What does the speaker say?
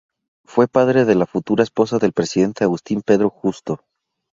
Fue padre de la futura esposa del presidente Agustín Pedro Justo.